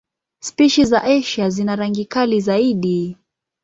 Spishi za Asia zina rangi kali zaidi.